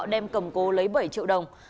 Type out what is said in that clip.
đem cầm cố lấy bảy triệu đồng